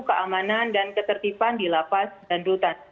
keamanan dan ketertiban di lapas dan rutan